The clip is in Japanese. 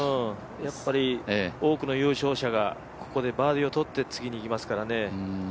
やっぱり多くの優勝者が、ここでバーディーをとって次にいきますからね。